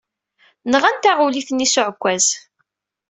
Nɣan taɣulit-nni s uɛekkaz.